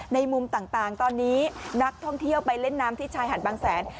มุมต่างตอนนี้นักท่องเที่ยวไปเล่นน้ำที่ชายหาดบางแสน